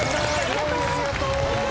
ありがとう。